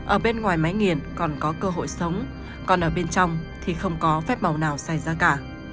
ở bên ngoài máy nghiền còn có cơ hội sống còn ở bên trong thì không có phép màu nào xảy ra cả